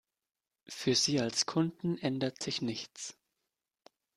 Für Sie als Kunden ändert sich nichts.